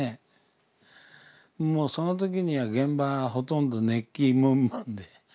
もうその時には現場はほとんど熱気ムンムンで。